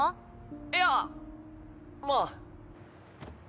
いやまあ。